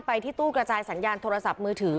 ไปที่ตู้กระจายสัญญาณโทรศัพท์มือถือ